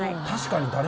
確かに。